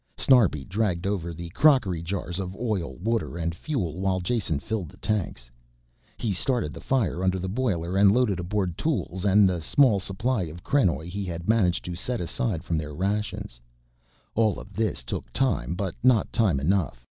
Snarbi dragged over the crockery jars of oil, water and fuel while Jason filled the tanks. He started the fire under the boiler and loaded aboard tools and the small supply of krenoj he had managed to set aside from their rations. All of this took time, but not time enough.